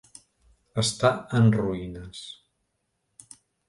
Està en ruïnes.